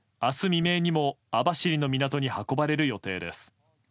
未明にも網走の港に運ばれる予定です。